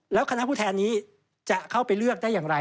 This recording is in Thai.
แล้วคณะผู้แทนนี้จะเข้าไปเลือกได้อย่างไร